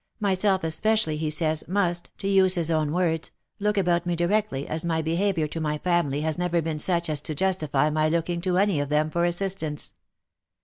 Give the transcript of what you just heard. My self especially, he says, must, to use his own words, look about me directly, as my behaviour to my family has never been such as to jus tify my looking to any of them for assistance.